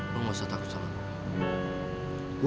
lu gak usah takut sama gua